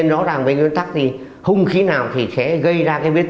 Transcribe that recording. có dấu hiệu xúc viết